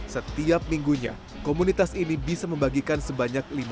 setiap minggunya komunitas ini bisa membagikan sebanyak lima puluh sampai delapan puluh nasi kotak